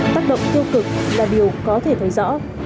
tác động tiêu cực là điều có thể thấy rõ